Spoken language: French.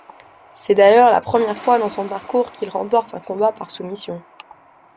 C'est d'ailleurs la première fois dans son parcours qu'il remporte un combat par soumission.